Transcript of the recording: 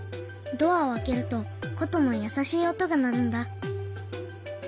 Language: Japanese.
ドアを開けるとことの優しい音が鳴るんだ。